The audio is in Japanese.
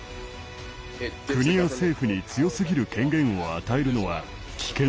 国や政府に強すぎる権限を与えるのは危険です。